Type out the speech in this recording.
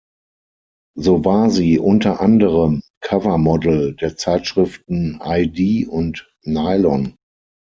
So war sie unter anderem Cover-Model der Zeitschriften "i-D" und "Nylon".